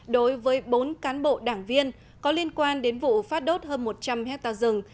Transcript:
đối với bốn cán bộ đảng viên có liên quan đến vụ phát đốt hơn một trăm linh hectare rừng